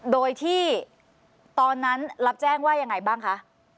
โดยที่ตอนนั้นรับแจ้งว่ายังไงบ้างคะ